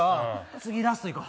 次、ラストいこう。